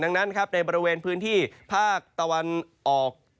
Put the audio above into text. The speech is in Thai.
ดังนั้นครับในบริเวณพื้นที่ภาคตะวันออก